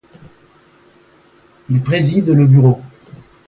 Il préside le bureau.